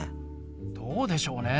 どうでしょうね。